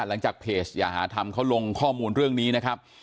หลังจากเพจอย่าหาธรรมเขาลงข้อมูลเรื่องนี้นะครับ